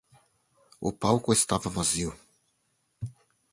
O palco estava vazio.